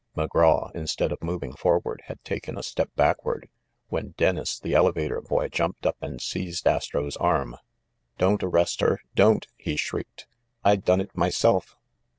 McGraw, instead of moving forward, had taken a step backward, when Dennis, the elevator boy, jumped up and seized Astro's arm. "Don't arrest her, don't!" he shrieked. "I done it myself!"